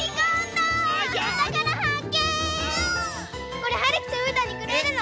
これはるきとうーたんにくれるの？